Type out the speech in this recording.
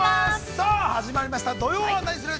さあ始まりました「土曜はナニする！？」。